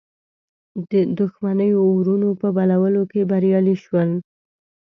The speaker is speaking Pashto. دښمنیو اورونو په بلولو کې بریالی سو.